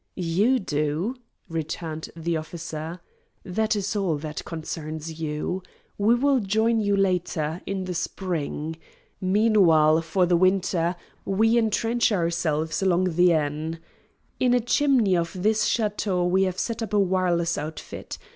"You do," returned the officer. "That is all that concerns you. We will join you later in the spring. Meanwhile, for the winter we intrench ourselves along the Aisne. In a chimney of this chateau we have set up a wireless outfit.